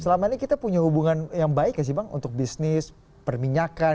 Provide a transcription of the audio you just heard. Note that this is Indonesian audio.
selama ini kita punya hubungan yang baik ya sih bang untuk bisnis perusahaan dan juga kemampuan